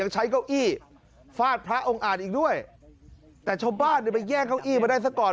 ใช้เก้าอี้ฟาดพระองค์อาจอีกด้วยแต่ชาวบ้านเนี่ยไปแย่งเก้าอี้มาได้ซะก่อน